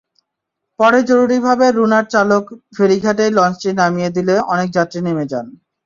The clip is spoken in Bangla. পরে জরুরিভাবে রুনার চালক ফেরিঘাটেই লঞ্চটি নামিয়ে দিলে অনেক যাত্রী নেমে যান।